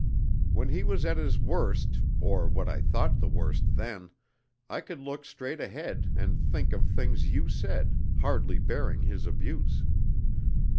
When he was at his worst or what I thought the worst then I could look straight ahead, and think of things you said, hardly bearing his abuse.